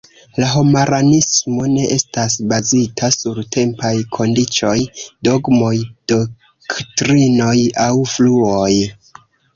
La homaranismo ne estas bazita sur tempaj kondiĉoj, dogmoj, doktrinoj aŭ fluoj.